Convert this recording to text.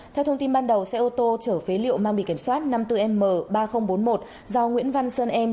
theo thông tin ban đầu xe ô tô chở phế liệu mang bì kiểm soát năm mươi bốn m ba nghìn bốn mươi một do nguyễn văn sơn em